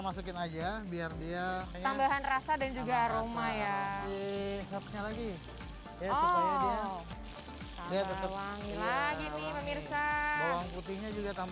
masukin aja biar dia tambahan rasa dan juga aroma ya pemirsa kita masukin aja biar dia tambahan rasa dan juga aroma ya pemirsa kita masukin aja biar dia tambahan rasa dan juga aroma ya